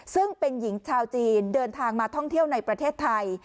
ซึ่งเป็นหญิงชาวจีนเดินทางมาท่องเที่ยวในประเทศไทย